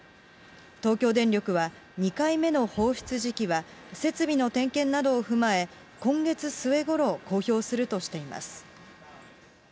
東京電力は、２回目の放出時期は、設備の点検などを踏まえ、今月末ごろ、公表するとしています。